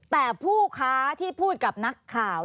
แต่ผู้ค้าที่พูดกับนักข่าว